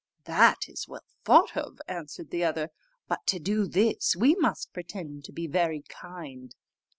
"That is well thought of," answered the other, "but to do this, we must pretend to be very kind."